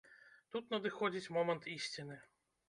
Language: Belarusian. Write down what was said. Тут надыходзіць момант ісціны.